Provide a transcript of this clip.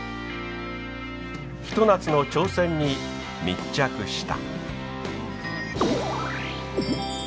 ひと夏の挑戦に密着した。